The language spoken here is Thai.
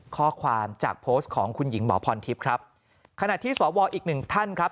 ข้อความจากโพสต์ของคุณหญิงหมอพรทิพย์ครับขณะที่สวอีกหนึ่งท่านครับ